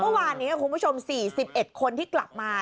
เมื่อวานนี้คุณผู้ชมสี่สิบเอ็ดคนที่กลับมา